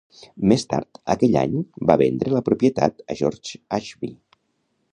Més tard aquell any, va vendre la propietat a George Ashby.